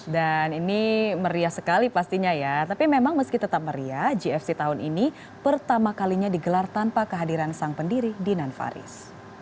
dan ini meriah sekali pastinya ya tapi memang meski tetap meriah gfc tahun ini pertama kalinya digelar tanpa kehadiran sang pendiri dinan faris